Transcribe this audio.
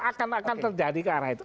akan akan terjadi ke arah itu